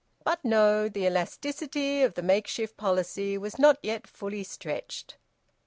But no! The elasticity of the makeshift policy was not yet fully stretched.